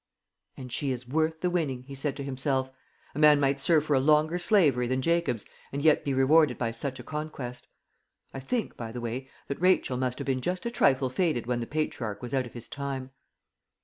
"And she is worth the winning," he said to himself. "A man might serve for a longer slavery than Jacob's, and yet be rewarded by such a conquest. I think, by the way, that Rachel must have been just a trifle faded when the patriarch was out of his time."